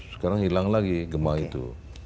saya bilang lagi gemah itu